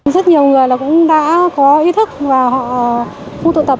rất nhiều người cũng đã có ý thức vào khu tụ tập